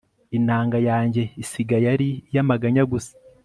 inanga yanjye isigaye ari iy'amaganya gusa